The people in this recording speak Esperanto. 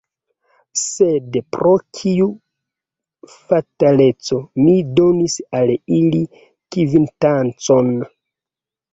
Sed pro kiu fataleco mi donis al ili kvitancon?